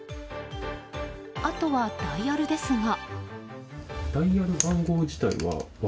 あとはダイヤルですが。